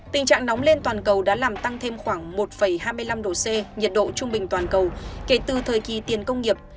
tình trạng nóng lên toàn cầu đã làm tăng thêm khoảng một hai mươi năm độ c nhiệt độ trung bình toàn cầu kể từ thời kỳ tiền công nghiệp